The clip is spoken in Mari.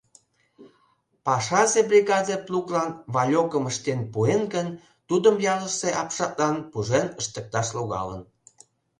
Пашазе бригада плуглан вальокым ыштен пуэн гын, тудым ялысе апшатлан пужен ыштыкташ логалын.